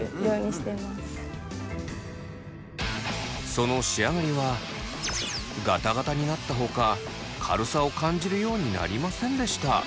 その仕上がりはガタガタになったほか軽さを感じるようになりませんでした。